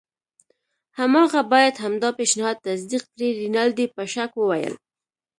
هماغه باید همدا پیشنهاد تصدیق کړي. رینالډي په شک وویل.